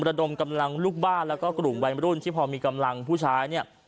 ระดมกำลังลูกบ้านแล้วก็กลุ่มวัยมรุ่นที่พอมีกำลังผู้ชายเนี่ย